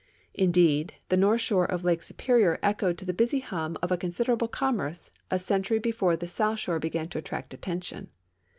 Indeed, the north shore of Lake Superior echoed to the busy hum of a considerable commerce a century before the south shore began to attract attention.